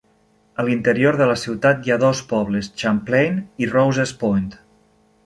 A l'interior de la ciutat hi ha dos pobles: Champlain i Rouses Point.